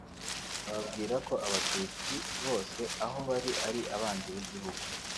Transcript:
bababwira ko Abatutsi bose aho bari ari abanzi b’igihugu